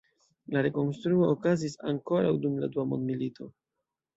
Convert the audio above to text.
La rekonstruo okazis ankoraŭ dum la Dua Mondmilito.